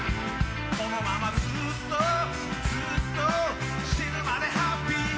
「このままずっとずっと死ぬまでハッピー」